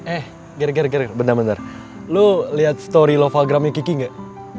eh ger ger ger bentar bentar lu liat story loveagramnya kiki gak